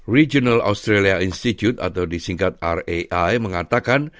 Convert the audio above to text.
regional australia institute atau disingkat rai mengatakan